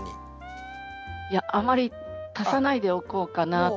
いやあまり足さないでおこうかなと思っていて。